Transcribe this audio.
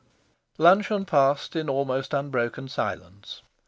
V Luncheon passed in almost unbroken silence.